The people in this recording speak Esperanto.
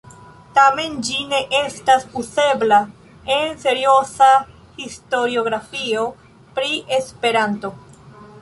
Tamen, ĝi ne estas uzebla en serioza historiografio pri Esperanto.